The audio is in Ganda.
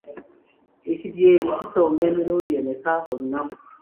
Ekidyeri kisomba emirundi emeka olunaku?